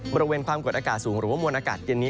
บริเวณความกดอากาศสูงหรือว่ามวลอากาศเย็นนี้